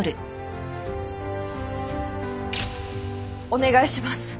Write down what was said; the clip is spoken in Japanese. お願いします。